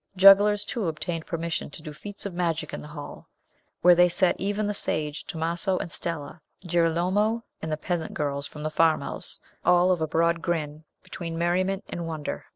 Jugglers, too, obtained permission to do feats of magic in the hall, where they set even the sage Tomaso, and Stella, Girolamo, and the peasant girls from the farmhouse, all of a broad grin, between merriment and wonder.